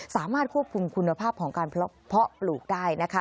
สามารถควบคุมคุณภาพของการเพาะปลูกได้นะคะ